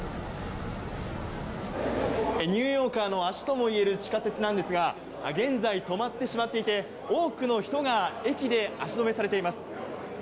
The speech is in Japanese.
ニューヨーカーの足ともいえる地下鉄なんですが、現在、止まってしまっていて、多くの人が駅で足止めされています。